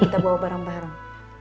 kita bawa barang barang